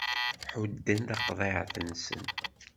Ḥudden taqeḍεit-nsen.